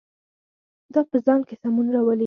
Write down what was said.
دا په ځان کې سمون راولي.